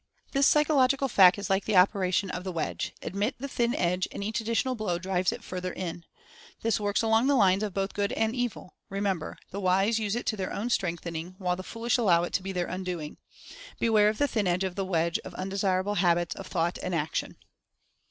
This psychological fact is like the operation of the wedge — admit the thin edge, and each additional blow drives it further in. This works along the lines of both good and evil, remember / 58 Mental Fascination — the wise use it to their own strengthening, while the foolish allow it to be their undoing. Beware of the thin edge of the wedge of undesirable habits of thought and action.